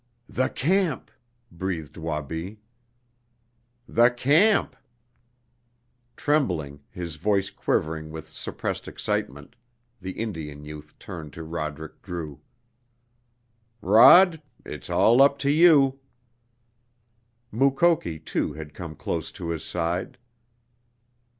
"The camp!" breathed Wabi. "The camp!" Trembling, his voice quivering with suppressed excitement, the Indian youth turned to Roderick Drew. "Rod it's all up to you!" Mukoki, too, had come close to his side.